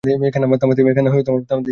এ কান্না আমার থামাতেই হবে।